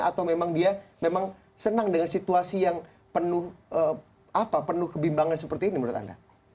atau memang dia memang senang dengan situasi yang penuh kebimbangan seperti ini menurut anda